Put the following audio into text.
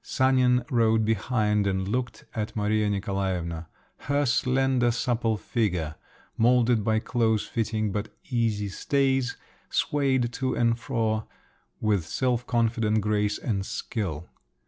Sanin rode behind, and looked at Maria Nikolaevna; her slender supple figure, moulded by close fitting but easy stays, swayed to and fro with self confident grace and skill.